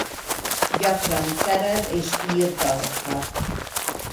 Gyakran szerez és ír dalokat.